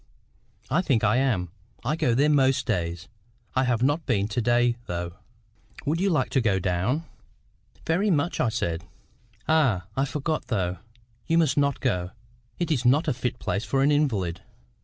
"I think I am. I go there most days. I have not been to day, though. Would you like to go down?" "Very much," I said. "Ah! I forgot, though. You must not go; it is not a fit place for an invalid."